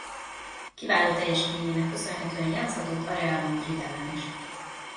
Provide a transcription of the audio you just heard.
Kiváló teljesítményének köszönhetően játszhatott a Real Madrid ellen is.